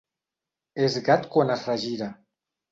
Es gat quan es regira.